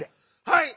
はい！